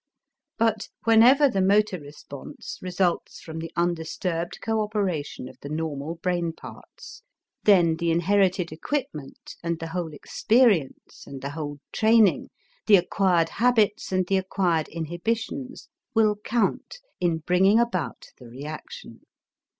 But, whenever the motor response results from the undisturbed coöperation of the normal brain parts, then the inherited equipment and the whole experience and the whole training, the acquired habits and the acquired inhibitions will count in bringing about the reaction.